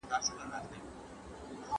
ياره ستا په انتظار وومه او يم